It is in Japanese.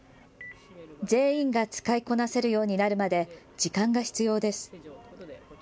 全員が使いこなせるようになるまで時間が必要です。